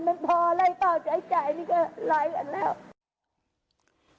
สามหมื่นมันพอไร้เปล่าใจนี่ก็ไร้กันแล้ว